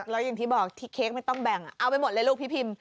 แล้วอย่างที่บอกที่เค้กไม่ต้องแบ่งเอาไปหมดเลยลูกพี่พิม